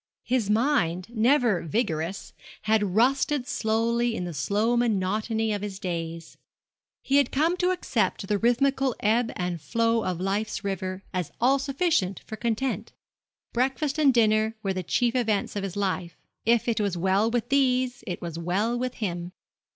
His mind, never vigorous, had rusted slowly in the slow monotony of his days. He had come to accept the rhythmical ebb and flow of life's river as all sufficient for content. Breakfast and dinner were the chief events of his life if it was well with these it was well with him.